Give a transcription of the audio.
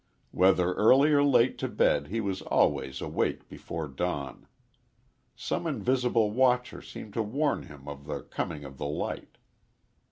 Whether early or late to bed he was always awake before dawn. Some invisible watcher seemed to warn him of the coming of the light.